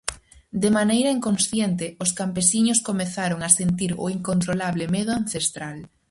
De maneira inconsciente, os campesiños comezaron a sentir o incontrolable medo ancestral.